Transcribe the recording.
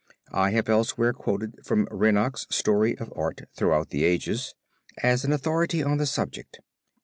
I have elsewhere quoted from Reinach's Story of Art Throughout the Ages as an authority on the subject.